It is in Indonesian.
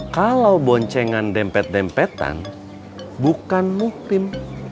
kalau boncengan dempet dempetan bukan muktim